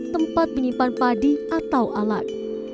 tempat menyimpan padi atau alat